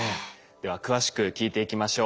では詳しく聞いていきましょう。